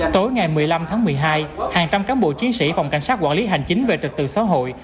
tối ngày một mươi năm tháng một mươi hai hàng trăm cán bộ chiến sĩ phòng cảnh sát quản lý hành chính về trật tự xã hội